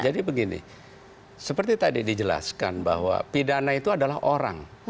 jadi begini seperti tadi dijelaskan bahwa pidana itu adalah orang